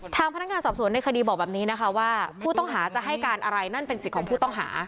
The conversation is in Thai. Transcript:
ทางพนักงานสอบสวนในคดีบอกแบบนี้นะคะว่าผู้ต้องหาจะให้การอะไรนั่นเป็นสิทธิ์ของผู้ต้องหา